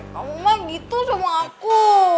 kamu mah gitu sama aku